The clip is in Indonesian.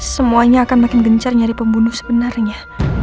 semuanya akan makin gencar nyari pembunuh sebenarnya